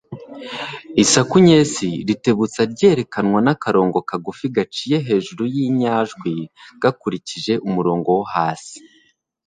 isaku nyesi ritebutsa ryerekanwa n'akarongo ka gufi gaciye hejuru y'inyajwi gakurikije umurongo wo hasi